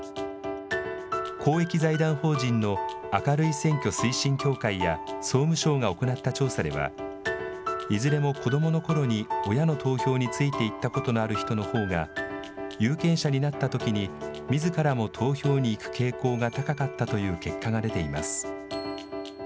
公益財団法人の明るい選挙推進協会や総務省が行った調査では、いずれも子どものころに親の投票についていったことのある人のほうが、有権者になったときにみずからも投票に行く傾向が高かったという結果が出ています。